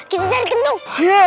kita cari kentung